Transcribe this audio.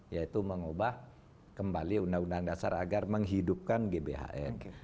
yaitu mengubah kembali undang undang dasar agar menghidupkan gbhn